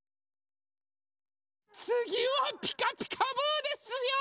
つぎは「ピカピカブ！」ですよ。